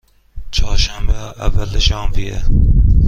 چهارشنبه، اول ژانویه